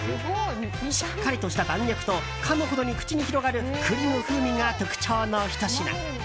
しっかりとした弾力とかむほどに口に広がる栗の風味が特徴のひと品。